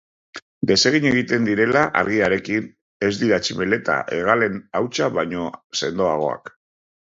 Desegin egiten direla argiarekin, ez dira tximeleta hegalen hautsa baino sendoagoak.